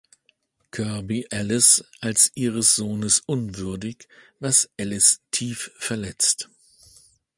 Kirby Alice als ihres Sohnes unwürdig, was Alice tief verletzt.